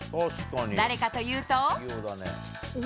誰かというと。